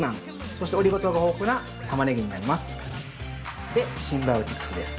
そしてオリゴ糖が豊富なタマネギになります。